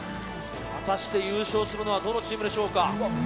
果たして、優勝するのはどのチームでしょうか。